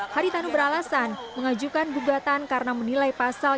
haritanu beralasan mengajukan gugatan karena menilai pasal